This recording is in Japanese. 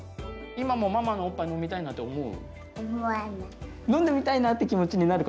今もさおっぱい飲みたいなって思う？